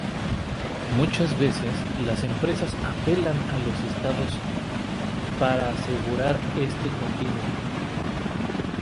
Muchas veces las empresas apelan a los Estados para asegurar este continuo.